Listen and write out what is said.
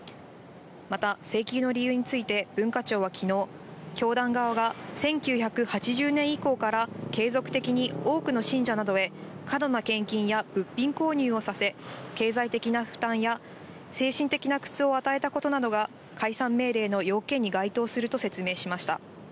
また請求の理由について、文化庁はきのう、教団側が１９８０年以降から継続的に多くの信者などへ、過度な献金や物品購入をさせ、経済的な負担や精神的な苦痛を与えたことなどが解散命令の要件に該当すると説明しました。